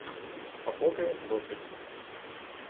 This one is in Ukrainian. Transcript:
А поки — досить.